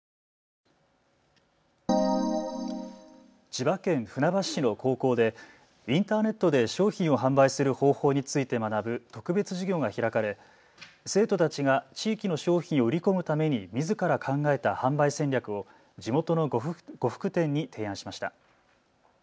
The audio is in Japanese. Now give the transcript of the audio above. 千葉県船橋市の高校でインターネットで商品を販売する方法について学ぶ特別授業が開かれ生徒たちが地域の商品を売り込むためにみずから考えた販売戦略を地元の呉服店に提案しました。